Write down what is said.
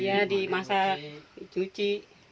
iya dimasak cuci